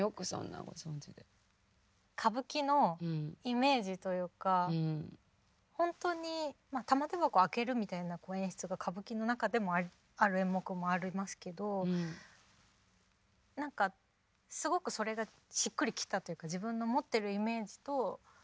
歌舞伎のイメージというか本当に玉手箱を開けるみたいなこう演出が歌舞伎の中でもある演目もありますけど何かすごくそれがしっくりきたというか自分の持ってるイメージと。